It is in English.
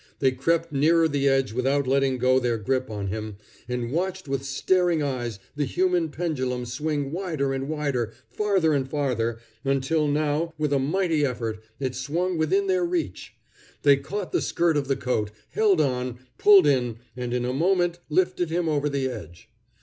They crept nearer the edge without letting go their grip on him, and watched with staring eyes the human pendulum swing wider and wider, farther and farther, until now, with a mighty effort, it swung within their reach. They caught the skirt of the coat, held on, pulled in, and in a moment lifted him over the edge.